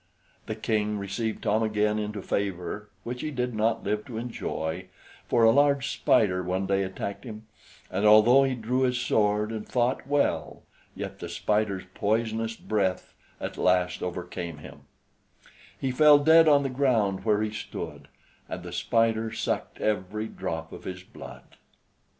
The King received Tom again into favor, which he did not live to enjoy, for a large spider one day attacked him; and although he drew his sword and fought well, yet the spider's poisonous breath at last overcame him: "He fell dead on the ground where he stood, And the spider suck'd every drop of his blood."